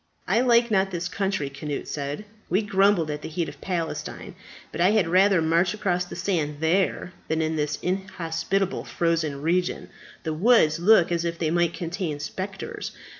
"I like not this country," Cnut said. "We grumbled at the heat of Palestine, but I had rather march across the sand there than in this inhospitable frozen region. The woods look as if they might contain spectres.